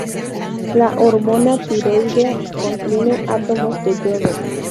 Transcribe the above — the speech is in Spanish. La hormona tiroidea contiene átomos de yodo.